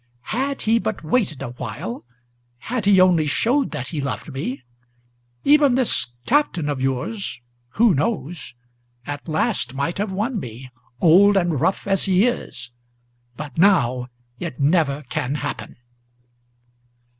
Had he but waited awhile, had he only showed that he loved me, Even this Captain of yours who knows? at last might have won me, Old and rough as he is; but now it never can happen."